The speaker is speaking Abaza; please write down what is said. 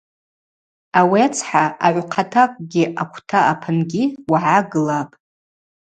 Ауи ацхӏа агӏвхъатакӏгьи аквта апынгьи уагӏа гылапӏ.